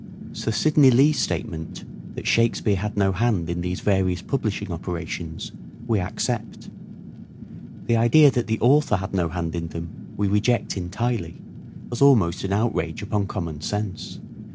Sir Sidney Lee's statement that Shakspere had no hand in these various publishing operations we accept. The idea that the author had no hand in them we reject[entirely, as almost an outrage upon common sense.